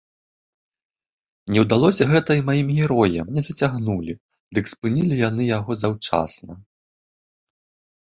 Не ўдалося гэта і маім героям не зацягнулі, дык спынілі яны яго заўчасна.